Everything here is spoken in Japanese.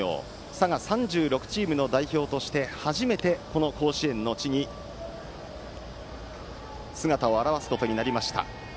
佐賀３６チームの代表として初めて甲子園の地に姿を現すことになりました。